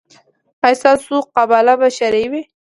ایا ستاسو قباله به شرعي وي؟